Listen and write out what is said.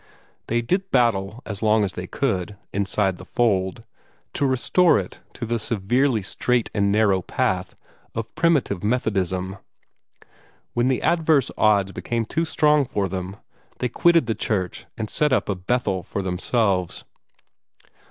They did battle as long as they could, inside the fold, to restore it to the severely straight and narrow path of primitive Methodism. When the adverse odds became too strong for them, they quitted the church and set up a Bethel for themselves.